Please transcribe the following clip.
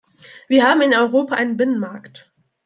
Wir haben in Europa einen Binnenmarkt.